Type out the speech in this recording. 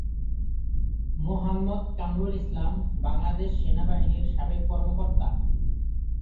মোহাম্মদ কামরুল ইসলাম বাংলাদেশ সেনাবাহিনীর সাবেক কর্মকর্তা।